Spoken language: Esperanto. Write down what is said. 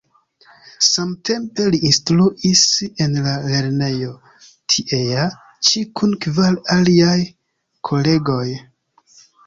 Samtempe li instruis en la lernejo tiea ĉi kun kvar aliaj kolegoj.